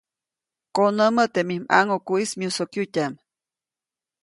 Konämä teʼ mij ʼmaŋʼukuʼis myusokyutyaʼm.